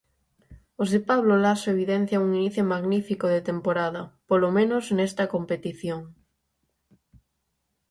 Os de Pablo Laso evidencian un inicio magnífico de temporada, polo menos nesta competición.